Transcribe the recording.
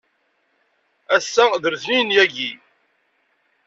Ass-a d letniyen yagi.